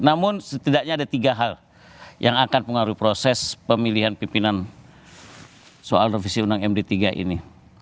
namun setidaknya ada tiga hal yang akan mengaruhi proses pemilihan pimpinan soal revisi undang md tiga ini